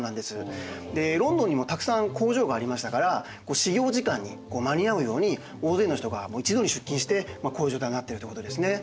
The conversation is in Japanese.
でロンドンにもたくさん工場がありましたから始業時間に間に合うように大勢の人が一度に出勤してまあこういう状態になってるっていうことですね。